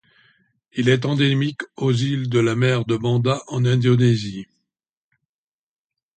Il est endémique aux îles de la mer de Banda en Indonésie.